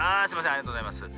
ありがとうございます。